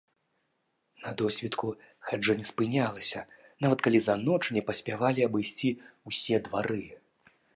На досвітку хаджэнне спынялася, нават калі за ноч не паспявалі абысці ўсе двары.